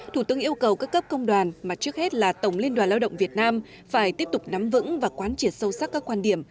thủ tướng yêu cầu các cấp công đoàn mà trước hết là tổng liên đoàn lao động việt nam phải tiếp tục nắm vững và quán triệt sâu sắc các quan điểm